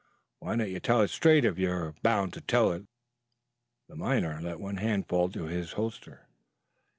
"Why don't you tell it straight if you are bound to tell it?" The miner let one hand fall to his holster.